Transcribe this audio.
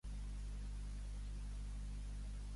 Faltar disset qüerns per a una pesseta.